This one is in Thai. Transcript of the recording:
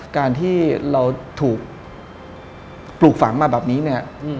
การที่เราถูกปลูกฝังมาแบบนี้เนี่ย